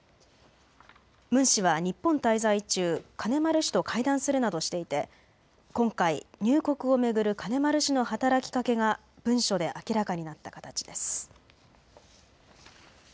ムン氏は日本滞在中、金丸氏と会談するなどしていて今回、入国を巡る金丸氏の働きかけが文書で明らかになった形です。